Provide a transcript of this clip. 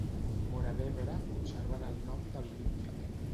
Móra d'Ebre, conservant el nom de l'Olímpic.